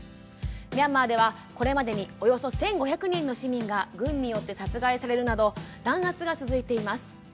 ミャンマーでは、これまでにおよそ１５００人の市民が軍によって殺害されるなど弾圧が続いています。